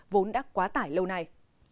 vốn đã quá tải lâu nay